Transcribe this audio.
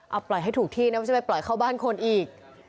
เอาปล่อยให้ถูกที่นะไม่ใช่ไปปล่อยเข้าบ้านคนอีก